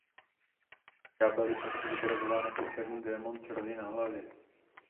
Ďábel je často zobrazován jako černý démon s rohy na hlavě.